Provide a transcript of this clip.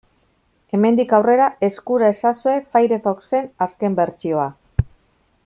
Hemendik aurrera eskura ezazue Firefoxen azken bertsioa.